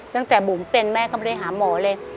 ตั้งแต่บุ๋มเป็นแม่ก็ไม่ได้หาหมอเลย